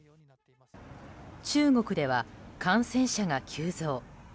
中国では感染者が急増。